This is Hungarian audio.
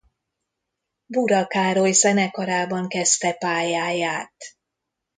Bura Károly zenekarában kezdte pályáját.